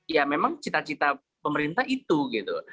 ya memang cita cita pemerintah itu gitu